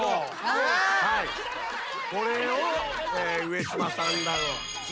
これを上島さんだの。